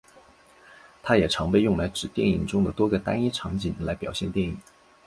它也常被用来指电影中的多个单一场景来表现电影。